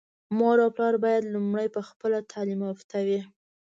مور او پلار بايد لومړی په خپله تعليم يافته وي.